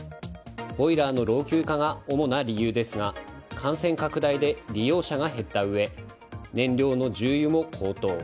ボイラーの老朽化が主な要因ですが感染拡大で利用者が減ったうえ燃料の重油も高騰。